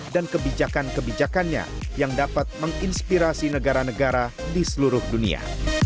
dan kebijakan kebijakannya yang dapat menginspirasi negara negara di seluruh dunia